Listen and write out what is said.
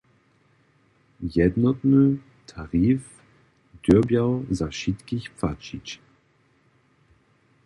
Jednotny tarif dyrbjał za wšitkich płaćić.